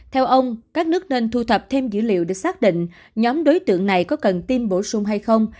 theo ông các nước nên thu thập thêm dữ liệu để xác định nhóm đối tượng này có cần tiêm bổ sung hay không